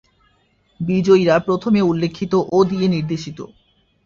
বিজয়ীরা প্রথমে উল্লেখিত ও দিয়ে নির্দেশিত।